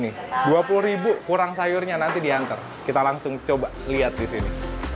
nih dua puluh ribu kurang sayurnya nanti diantar kita langsung coba lihat di sini